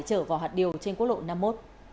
chở vào hạt điều trên quốc lộ năm mươi một